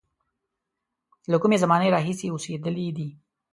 له کومې زمانې راهیسې اوسېدلی دی.